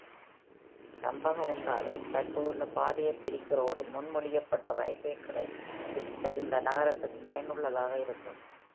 தம்பகவுண்டாவில் தற்போதுள்ள பாதையைப் பிரிக்கின்ற ஒரு முன்மொழியப்பட்ட ரயில்வே கிளை பிரித்தல் இந்த நகரத்துக்கு பயனுள்ளதாக இருக்கும்.